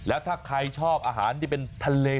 แล้วถ้าใครชอบอาหารที่เป็นทะเล